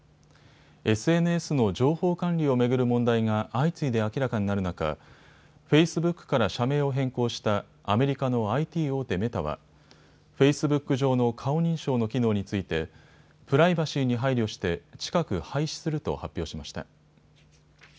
ＳＮＳの情報管理を巡る問題が相次いで明らかになる中、フェイスブックから社名を変更したアメリカのＩＴ大手、メタはフェイスブック上の顔認証の機能についてプライバシーに配慮して近く廃止すると発表しました。